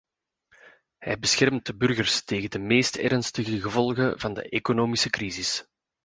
Hij beschermt de burgers tegen de meest ernstige gevolgen van de economische crisis.